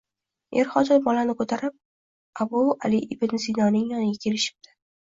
Er-xotin bolani ko‘tarib, Abu Ali ibn Sinoning yoniga kelishibdi